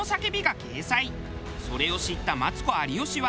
それを知ったマツコ有吉は。